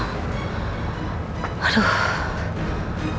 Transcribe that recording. rena kayaknya aman sama missnya dalam keadaan ini